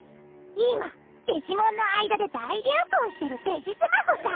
今デジモンの間で大流行してるデジスマホさ。